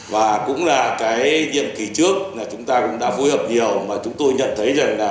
và cũng là cái nhiệm kỳ trước là chúng ta cũng đã phối hợp nhiều mà chúng tôi nhận thấy rằng là